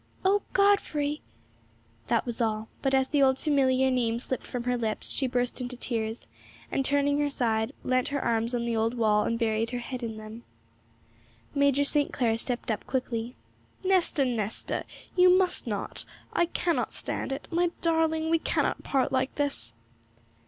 'Oh, Godfrey!' That was all; but as the old familiar name slipped from her lips she burst into tears, and turning aside, leant her arms on the old wall and buried her head in them. Major St. Clair stepped up quickly. 'Nesta, Nesta, you must not! I cannot stand it! My darling, we cannot part like this!'